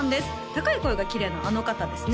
高い声がきれいなあの方ですね